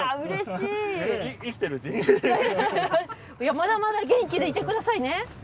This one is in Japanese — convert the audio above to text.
まだまだ元気でいてくださいね。